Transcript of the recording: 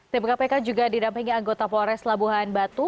tim kpk juga didampingi anggota polres labuhan batu